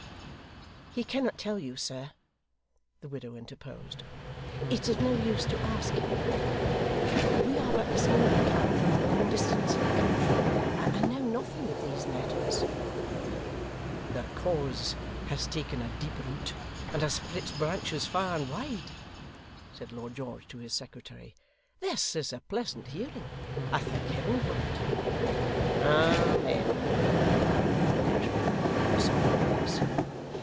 'He cannot tell you, sir,' the widow interposed. 'It's of no use to ask him. We are but this morning come from a long distance in the country, and know nothing of these matters.' 'The cause has taken a deep root, and has spread its branches far and wide,' said Lord George to his secretary. 'This is a pleasant hearing. I thank Heaven for it!' 'Amen!' cried Gashford with a solemn face.